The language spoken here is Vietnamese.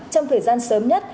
trong thời gian sớm nhất